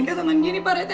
kau siap pak rete